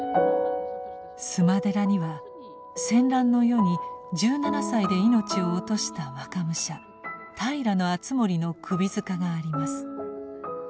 須磨寺には戦乱の世に１７歳で命を落とした若武者平敦盛の首塚があります。